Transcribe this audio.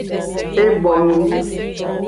E bonu.